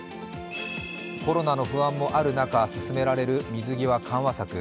コロナの不安もある中進められる水際緩和策。